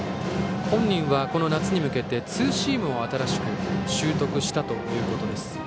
本人は、この夏に向けてツーシームを新しく習得したということです。